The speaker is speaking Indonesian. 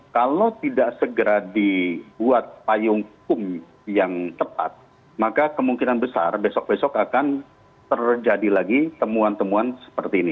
kalau tidak segera dibuat payung hukum yang tepat maka kemungkinan besar besok besok akan terjadi lagi temuan temuan seperti ini